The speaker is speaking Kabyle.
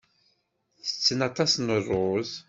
Ttetten aṭas n ṛṛuz.